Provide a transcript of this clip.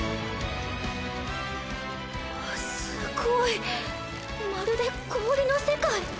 すごいまるで氷の世界